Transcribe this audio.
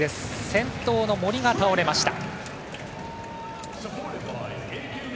先頭の森が倒れました。